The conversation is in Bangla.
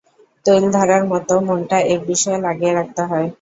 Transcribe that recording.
তৈলধারার মত মনটা এক বিষয়ে লাগিয়ে রাখতে হয়।